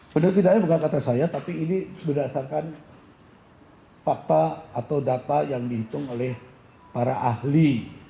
benar tidaknya bukan kata saya tapi ini berdasarkan fakta atau data yang dihitung oleh para ahli